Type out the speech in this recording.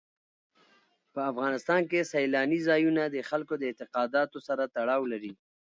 په افغانستان کې سیلانی ځایونه د خلکو د اعتقاداتو سره تړاو لري.